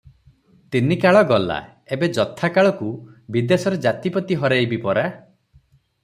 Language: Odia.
ତିନି କାଳ ଗଲା, ଏବେ ଯଥାକାଳକୁ ବିଦେଶରେ ଜାତିପତି ହରେଇବି ପରା?